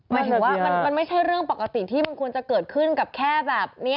หมายถึงว่ามันไม่ใช่เรื่องปกติที่มันควรจะเกิดขึ้นกับแค่แบบนี้